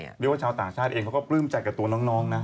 เรียกว่าชาวต่างชาติเองเขาก็ปลื้มใจกับตัวน้องนะ